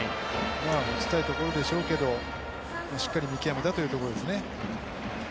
打ちたいところでしょうけどしっかり見極めたということでしょうね。